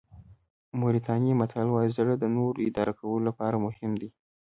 موریتاني متل وایي زړه د نورو اداره کولو لپاره مهم دی.